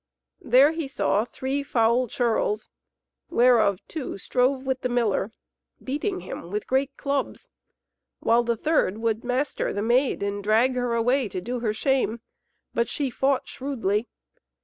There he saw three foul churls, whereof two strove with the miller, beating him with great clubs, while the third would master the Maid and drag her away to do her shame, but she fought shrewdly.